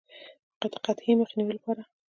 د قحطۍ د مخنیوي لپاره.